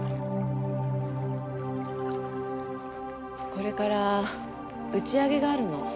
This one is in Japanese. これから打ち上げがあるの。